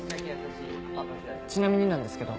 あっちなみになんですけど。